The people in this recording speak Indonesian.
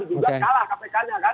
juga kalah kpknya kan